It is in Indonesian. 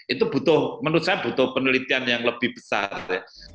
itu butuh menurut saya butuh penelitian yang lebih besar